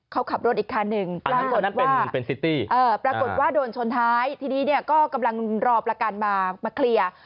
เขาขับรถอีกคันหนึ่งปรากฏว่าโดนชนท้ายทีนี้ก็กำลังรอประกันมามาเคลียร์